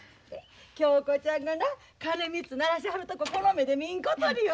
恭子ちゃんがな鐘３つ鳴らしはるとここの目で見んことには。